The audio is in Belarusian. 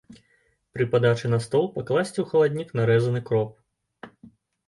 Пры падачы на стол пакласці ў халаднік нарэзаны кроп.